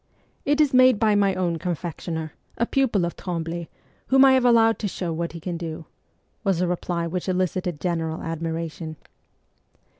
'It is made by my own confectioner, a pupil of Tremble, whom I have allowed to show what he can do/ was a reply which elicited general admiration.